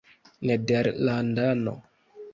nederlandano